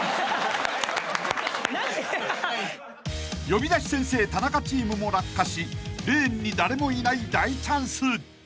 ［呼び出し先生タナカチームも落下しレーンに誰もいない大チャンス］